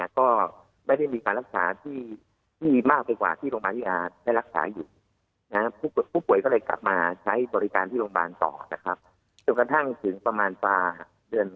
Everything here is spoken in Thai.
คุณหมอที่ดูแลอยู่ในครั้งสุดท้ายเนี่ย